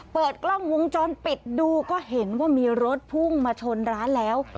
เปิดกล้องวงจรปิดดูก็เห็นว่ามีรถพุ่งมาชนร้านแล้ว